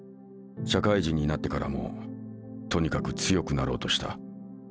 社会人になってからもとにかく強くなろうとした。